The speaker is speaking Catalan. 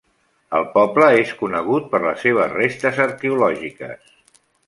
El poble és conegut per les seves restes arqueològiques.